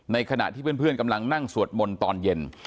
ขณะที่เพื่อนกำลังนั่งสวดมนต์ตอนเย็น